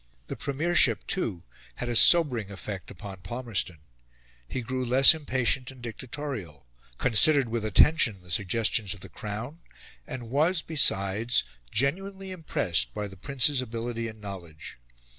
The premiership, too, had a sobering effect upon Palmerston; he grew less impatient and dictatorial; considered with attention the suggestions of the Crown, and was, besides, genuinely impressed by the Prince's ability and knowledge.